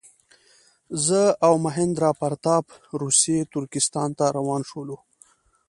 زه او مهیندراپراتاپ روسي ترکستان ته روان شولو.